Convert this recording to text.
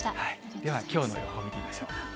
ではきょうの予報見てみましょう。